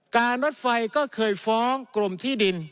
การรถไฟก็เคยฟ้องกรมที่ดิน